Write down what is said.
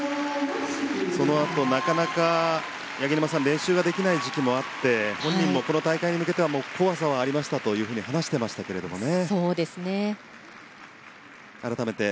そのあと、なかなか八木沼さん練習ができない時期もあって本人もこの大会に向けては怖さはありましたと話していましたけれどもね。